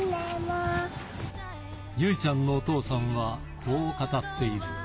ゆいちゃんのお父さんはこう語っている。